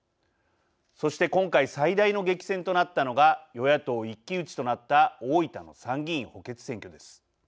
そして今回最大の激戦となったのが与野党一騎打ちとなった大分の参議院補欠選挙です。